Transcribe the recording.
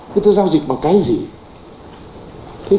người ta giao dịch bằng cái gì